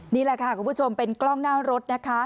นี่แหละค่ะคุณผู้ชมเป็นกล้องหน้ารถนะคะ